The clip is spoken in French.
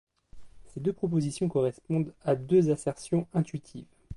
Ces deux propositions correspondent à deux assertions intuitives.